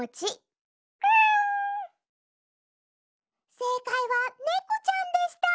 せいかいはねこちゃんでした！